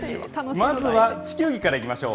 まずは地球儀からいきましょう。